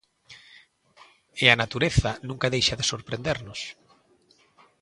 E a natureza nunca deixa de sorprendernos.